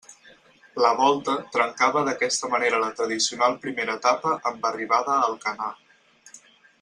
La Volta trencava d'aquesta manera la tradicional primera etapa amb arribada a Alcanar.